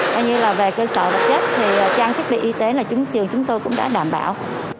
nếu như là về cơ sở đặc trách thì trang thiết bị y tế là trường chúng tôi cũng đã đảm bảo